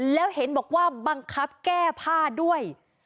แล้วเห็นบอกว่าบังคับแก้ผ้าด้วย